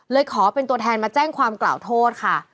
ขอเป็นตัวแทนมาแจ้งความกล่าวโทษค่ะ